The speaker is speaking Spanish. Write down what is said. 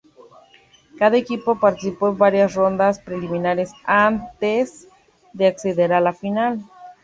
Cada equipo participó en varias rondas preliminares antes de acceder a la final.